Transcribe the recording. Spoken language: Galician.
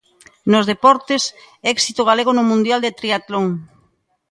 Nos deportes, éxito galego no Mundial de Tríatlon.